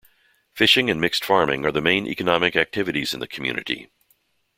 Fishing and mixed farming are the main economic activities in the community.